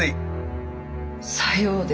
さようで。